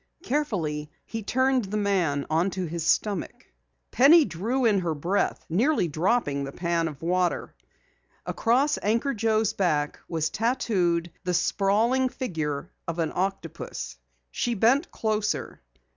Carefully he turned the man upon his back. Penny drew in her breath, nearly dropping the pan of water. Across Anchor Joe's back was tattooed the sprawling figure of an octopus. She bent closer.